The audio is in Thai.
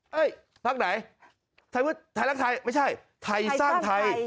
พักไหนไทยรักไทยไม่ใช่ไทยสร้างไทย